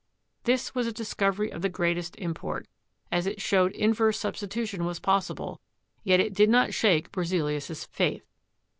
This was a discovery of the greatest import, as it showed inverse substitution was possible, yet it did not shake Berzelius's faith.